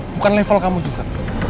bukan level kamu juga